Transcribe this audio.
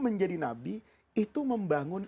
menjadi nabi itu membangun